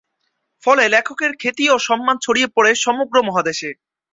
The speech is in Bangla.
ফলে লেখকের খ্যাতি ও সম্মান ছড়িয়ে পড়ে সমগ্র মহাদেশে।